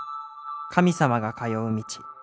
神様が通う路。